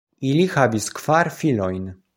Ili havis kvar filojn.